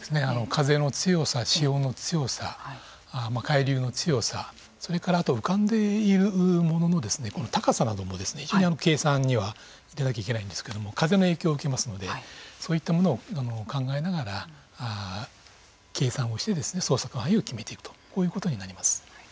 風の強さ潮の強さ海流の強さそれから、あと浮かんでいるものの高さなども非常に計算には入れないといけないんですけれども風の影響を受けますのでそういったものを考えながら計算をして捜索範囲を決めていくとこういうことになります。